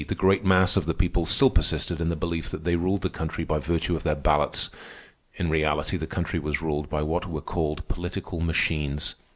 the great mass of the people still persisted in the belief that they ruled the country by virtue of their ballots. In reality, the country was ruled by what were called political machines.